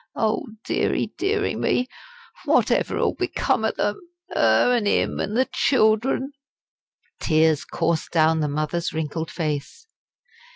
Oh, deary, deary, me! whatever 'ull become o' them 'er, an' 'im, an' the children!" The tears coursed down the mother's wrinkled face.